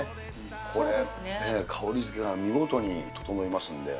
これ、香りづけが見事にととのいますので。